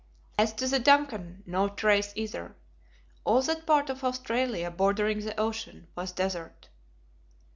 As to the DUNCAN, no trace either. All that part of Australia, bordering the ocean, was desert.